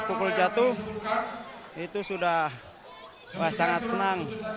pukul jatuh itu sudah sangat senang